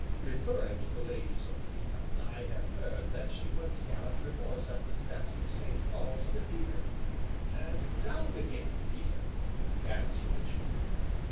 "Referring to the Lady Sophia, I have heard that she once galloped her horse up the steps of St. Paul's Cathedral " "And down again, Peter," added Sir Richard.